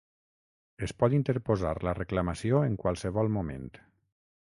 Es pot interposar la reclamació en qualsevol moment.